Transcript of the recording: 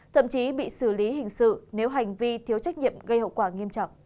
thậm chí bị xử lý hình sự nếu hành vi thiếu trách nhiệm gây hậu quả nghiêm trọng